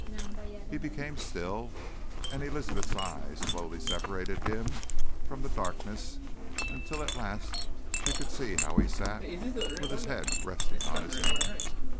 '" He became still, and Elizabeth's eyes slowly separated him from the darkness until at last she could see how he sat with his head resting on his hand.